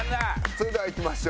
それではいきましょう。